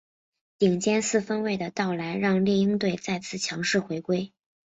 顶尖四分卫的到来让猎鹰队再次强势回归。